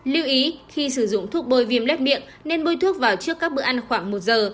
lưu ý khi sử dụng thuốc bôi viêm lết miệng nên bôi thuốc vào trước các bữa ăn khoảng một giờ